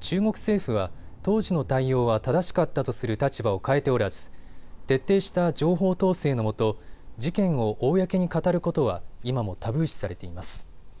中国政府は当時の対応は正しかったとする立場を変えておらず徹底した情報統制の下、事件を公に語ることは今もタブー視されています。